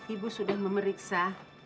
ibu sudah memeriksa